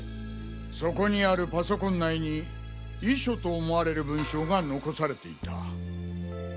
そこにあるパソコン内に遺書と思われる文章が残されていた。